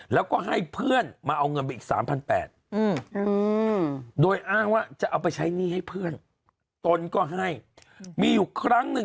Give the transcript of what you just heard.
แล้วก็ให้เพื่อนมาเอาเงินไปอีก๓๘๐๐